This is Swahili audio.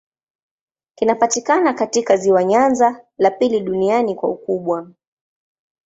Kinapatikana katika ziwa Nyanza, la pili duniani kwa ukubwa.